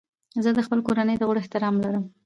زه د خپلو کورنیو د غړو احترام لرم.